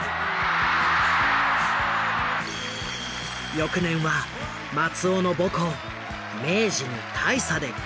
翌年は松尾の母校明治に大差で完勝。